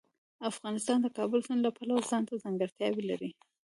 افغانستان د کابل سیند له پلوه ځانته ځانګړتیاوې لري.